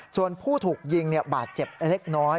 ส่วนผู้ถูกยิงบาดเจ็บเล็กน้อย